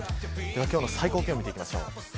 今日の最高気温見ていきましょう。